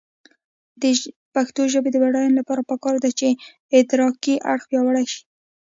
د پښتو ژبې د بډاینې لپاره پکار ده چې ادراکي اړخ پیاوړی شي.